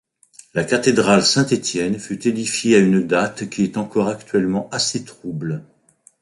La cathédrale Saint-Étienne fut édifiée à une date qui est encore actuellement assez trouble.